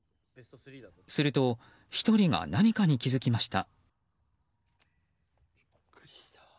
すると１人が何かに気づきました。